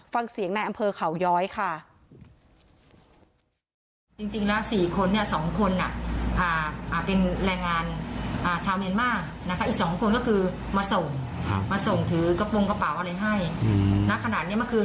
ฟังเสียงในอำเภอเขาย้อยค่ะ